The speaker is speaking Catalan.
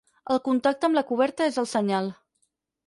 El contacte amb la coberta és el senyal.